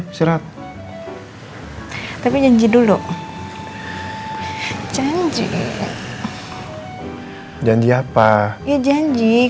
hei ada apa ini